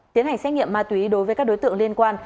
tiến hành xét nghiệm ma túy đối với các đối tượng liên quan